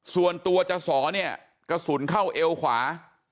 ส่วนตัวจสอเนี่ยกระสุนเข้าเอวขวา